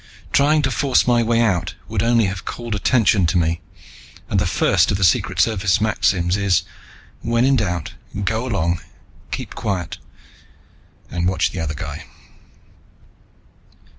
Trying to force my way out would only have called attention to me, and the first of the Secret Service maxims is; when in doubt, go along, keep quiet, and watch the other guy.